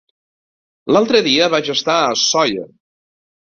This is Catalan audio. L'altre dia vaig estar a Sóller.